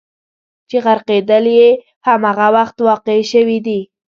چې غرقېدل یې همغه وخت واقع شوي دي.